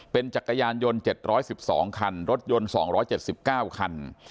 เป็นจักรยานยนต์๗๑๒คันรถยนต์๒๗๙คัน